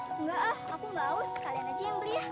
enggak aku gak aus kalian aja yang beli ya